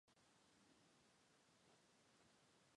科曼奇县是位于美国俄克拉何马州西南部的一个县。